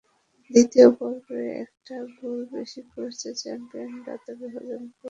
দ্বিতীয় পর্বে একটা গোল বেশি করেছে চ্যাম্পিয়নরা, তবে হজম করতে হয়েছে দুটি।